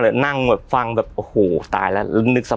เลยนั่งแบบฟังแบบโอฮูตายละนึกสภาพ